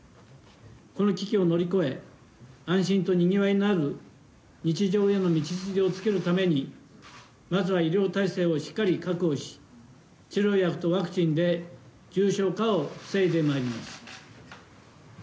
この危機を乗り越え、安心とにぎわいのある日常への道筋をつけるために、まずは医療体制をしっかり確保し、治療薬とワクチンで重症化を防いでまいります。